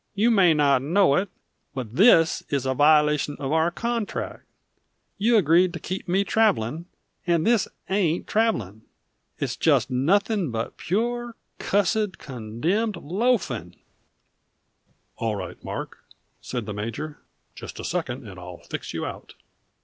"You may not know it, but this is a violation of our contract. You agreed to keep me traveling, and this ain't traveling: it's just nothing but pure, cussed condemned loafing!" "All right, Mark," said the major. "Just a second and I'll fix you out."